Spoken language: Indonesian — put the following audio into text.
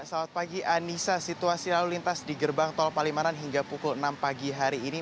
selamat pagi anissa situasi lalu lintas di gerbang tol palimanan hingga pukul enam pagi hari ini